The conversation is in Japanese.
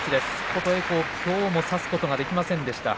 琴恵光、きょうも差すことができませんでした。